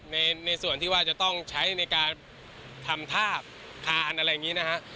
ในส่วนที่ว่าจะต้องใช้ในการทำทาบทานอะไรอย่างนี้นะฮะ